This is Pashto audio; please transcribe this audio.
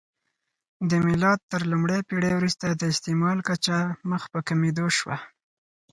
د میلاد تر لومړۍ پېړۍ وروسته د استعمل کچه مخ په کمېدو شوه